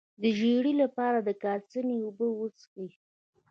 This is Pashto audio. د ژیړي لپاره د کاسني اوبه وڅښئ